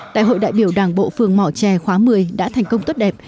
đại hội đại biểu đảng bộ phường mò trè khóa một mươi đã thành công tốt đẹp